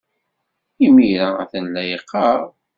Imir-a, a-t-an la yeqqar.